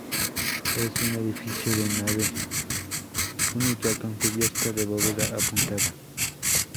Es un edificio de nave única con cubierta de bóveda apuntada.